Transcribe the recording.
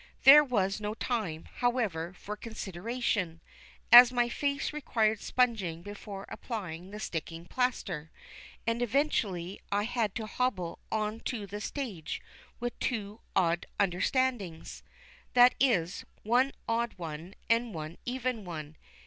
There was no time, however, for consideration, as my face required sponging before applying the sticking plaster, and eventually I had to hobble on to the stage with two odd understandings that is, one odd one and one even one.